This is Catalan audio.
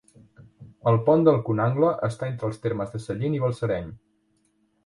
El pont del Conangle està entre els termes de Sallent i Balsareny.